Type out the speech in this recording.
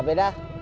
ya gitu dong